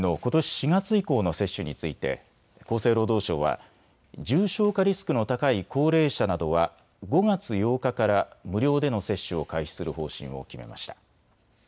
４月以降の接種について厚生労働省は重症化リスクの高い高齢者などは５月８日から無料での接種を開始する方針を決めました。